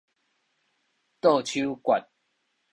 倒手抉